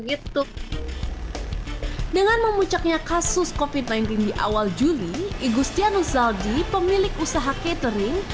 gitu dengan memucaknya kasus kopi pain tinggi awal juli igustianus zaldi pemilik usaha catering